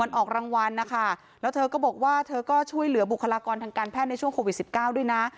ออกรางวัลนะคะแล้วเธอก็บอกว่าเธอก็ช่วยเหลือบุคลากรทางการแพทย์ในช่วงโควิด๑๙ด้วยนะ